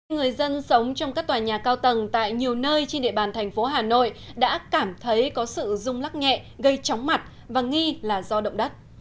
người dân sống trong các tòa nhà cao tầng tại nhiều nơi trên địa bàn thành phố hà nội đã cảm thấy có sự rung lắc nhẹ gây chóng mặt và nghi là do động đất